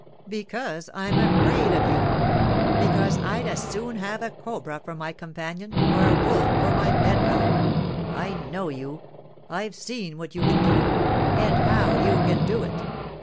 Because I'm afraid of you. Because I'd as soon have a cobra for my companion, or a wolf for my bedfellow. I know you. I've seen what you can do, and how you can do it.